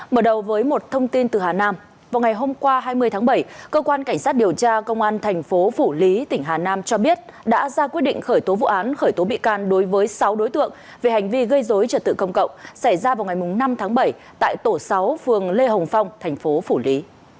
mở đầu với một thông tin từ hà nam vào ngày hôm qua hai mươi tháng bảy cơ quan cảnh sát điều tra công an thành phố phủ lý tỉnh hà nam cho biết đã ra quyết định khởi tố vụ án khởi tố bị can đối với sáu đối tượng về hành vi gây dối trật tự công cộng xảy ra vào ngày năm tháng bảy tại tổ sáu phường lê hồng phong thành phố phủ lý